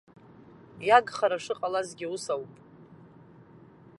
Иахгара шыҟалазгьы ус ауп.